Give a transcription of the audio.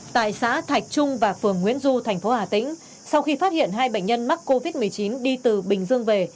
tại xã thạch trung và phường nguyễn du thành phố hà tĩnh sau khi phát hiện hai bệnh nhân mắc covid một mươi chín đi từ bình dương về